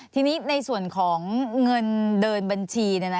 ทีนี้ในส่วนของเงินเดินบัญชี